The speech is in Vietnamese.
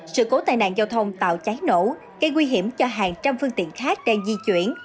sự cố tai nạn giao thông tạo cháy nổ gây nguy hiểm cho hàng trăm phương tiện khác đang di chuyển